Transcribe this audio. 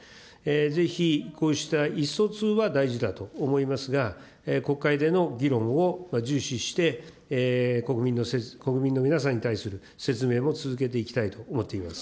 ぜひこうした意思疎通は大事だと思いますが、国会での議論を重視して、国民の皆さんに対する説明も続けていきたいと思っています。